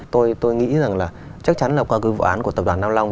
tôi nghĩ rằng là chắc chắn là qua cái vụ án của tập đoàn nam long